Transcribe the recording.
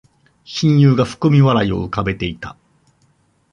親友が含み笑いを浮かべていた